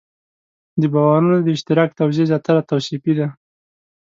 د باورونو د اشتراک توضیح زیاتره توصیفي ده.